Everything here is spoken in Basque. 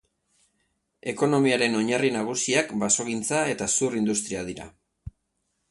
Ekonomiaren oinarri nagusiak basogintza eta zur industria dira.